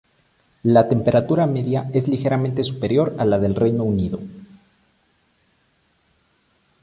La temperatura media es ligeramente superior a la del Reino Unido.